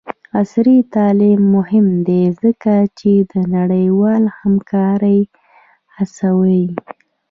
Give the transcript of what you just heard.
عصري تعلیم مهم دی ځکه چې د نړیوالې همکارۍ هڅوي.